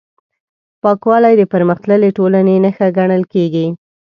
پاکوالی د پرمختللې ټولنې نښه ګڼل کېږي.